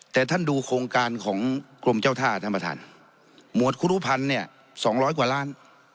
แต่ท่านดูโครงการของกรมเจ้าท่าท่านประธานหมวดครุพันธ์เนี่ยสองร้อยกว่าล้าน